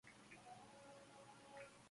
In human disguise!